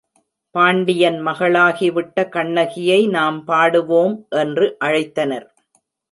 பாண்டியன் மகளாகிவிட்ட கண்ணகியை நாம் பாடுவோம். என்று அழைத்தனர்.